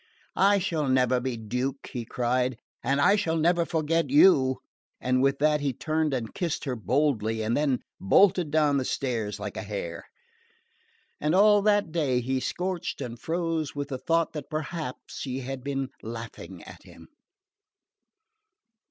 "I shall never be Duke," he cried, "and I shall never forget you!" And with that he turned and kissed her boldly and then bolted down the stairs like a hare. And all that day he scorched and froze with the thought that perhaps she had been laughing at him.